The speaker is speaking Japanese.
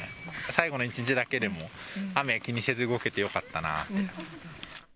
最後の１日だけでも、雨気にせず動けてよかったなぁって。